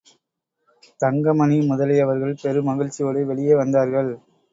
தங்கமணி முதலியவர்கள் பெருமகிழ்ச்சியோடு வெளியே வந்தார்கள்.